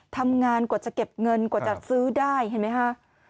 ทำงานกว่าจะเก็บเงินกว่าจะซื้อได้เห็นไหมคะ